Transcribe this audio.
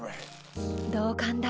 同感だ。